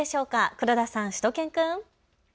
黒田さん、しゅと犬くん。